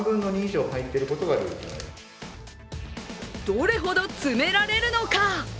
どれほど詰められるのか。